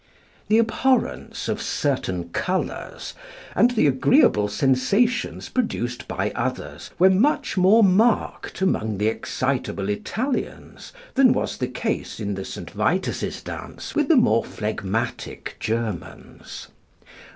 The abhorrence of certain colours, and the agreeable sensations produced by others, were much more marked among the excitable Italians than was the case in the St. Vitus's dance with the more phlegmatic Germans.